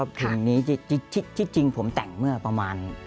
เพลงนี้ที่จริงผมแต่งเมื่อประมาณ